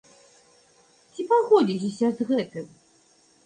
Ці пагодзіцеся з гэтым?